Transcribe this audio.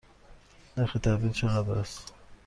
نرخ تبدیل چقدر است؟